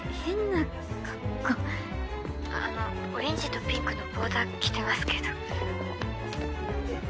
あのオレンジとピンクのボーダー着てますけど。